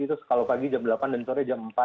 terus kalau pagi jam delapan dan sore jam empat